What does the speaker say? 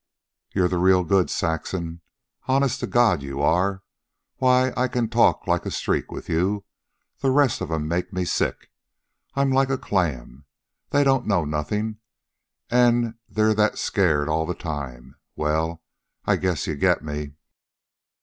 You're the real goods, Saxon, honest to God you are. Why, I can talk like a streak with you. The rest of 'em make me sick. I'm like a clam. They don't know nothin', an' they're that scared all the time well, I guess you get me."